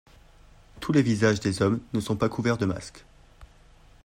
Tous les visages des hommes ne sont pas couverts de masques.